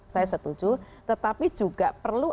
saya setuju tetapi juga perlu